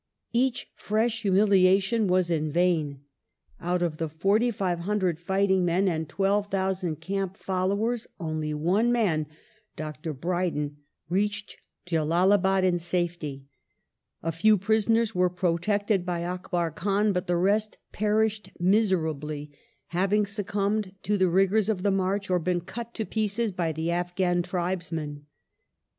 Each fresh humilia tion was in vain. Out of 4,500 fighting men and 12,000 camp followers only one man, Dr. Brydon, reached Jalaldbad in safety. A few prisonei s were protected by Akbar Khan, but the rest perished miserably, having succumbed to the rigoui*s of the march or been cut to pieces by the Afghjin tribesmen.